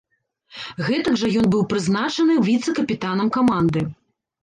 Гэтак жа ён быў прызначаны віцэ-капітанам каманды.